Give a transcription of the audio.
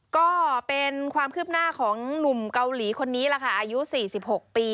ก็เป็นความคืบหน้าของหนุ่มเกาหลีคนนี้แหละค่ะอายุ๔๖ปี